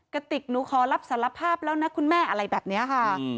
กระติกหนูขอรับสารภาพแล้วนะคุณแม่อะไรแบบนี้ค่ะ